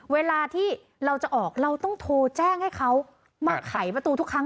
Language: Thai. เวลาที่เราจะออกเราต้องโทรแจ้งให้เขามาไขประตูทุกครั้ง